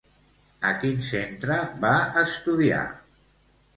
A quin centre va estudiar?